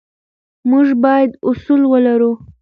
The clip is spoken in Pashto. موږ باید اصول ولرو.